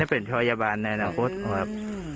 เป็นพยาบาลในอนาคตครับ